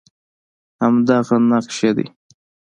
همدغه نقش یې دی